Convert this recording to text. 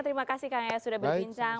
terima kasih kak nga sudah berbincang